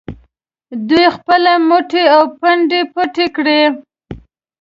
دوی خپلې مټې او پنډۍ پټې کړي.